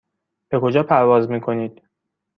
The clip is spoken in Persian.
به کجا پرواز میکنید؟